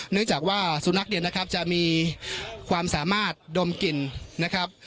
เนื่องจากว่าสุนัขเนี่ยนะครับจะมีความสามารถดมกลิ่นนะครับ